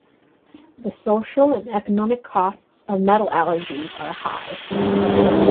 The social and economic costs of metal allergies are high.